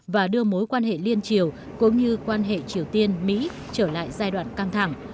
và đưa mối quan hệ liên triều cũng như quan hệ triều tiên mỹ trở lại giai đoạn căng thẳng